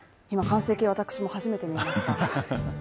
今、完成形を私も初めて見ました。